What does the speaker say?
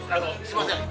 「すいません